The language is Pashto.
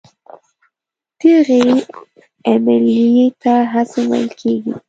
دغې عملیې ته هضم ویل کېږي.